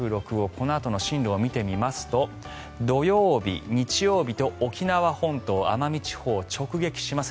このあとの進路を見てみますと土曜日、日曜日と沖縄本島、奄美地方を直撃します。